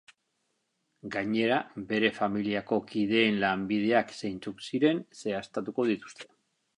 Gainera, bere familiako kideen lanbideak zeintzuk ziren zehaztuko dituzte.